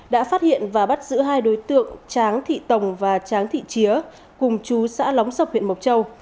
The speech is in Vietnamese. đã phát hiện và bắt giữ hai đối tượng tráng thị tổng và tráng thị chía cùng chú xã lóng sập huyện mộc châu